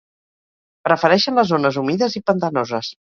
Prefereixen les zones humides i pantanoses.